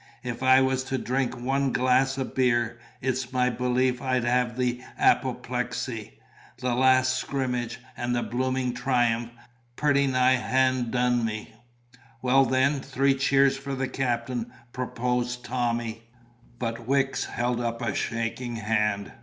If I was to drink one glass of beer, it's my belief I'd have the apoplexy. The last scrimmage, and the blooming triumph, pretty nigh hand done me." "Well, then, three cheers for the captain," proposed Tommy. But Wicks held up a shaking hand.